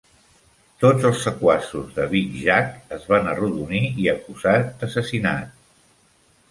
Tots els sequaços de Big Jack es van arrodonir i acusat d'assassinat.